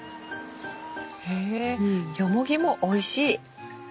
ヨモギもおいしい。